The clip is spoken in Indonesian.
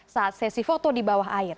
saat sesi foto di bawah air